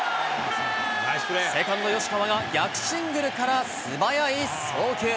セカンド、吉川が、逆シングルから素早い送球。